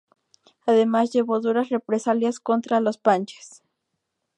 Además llevó duras represalias contra los Panches.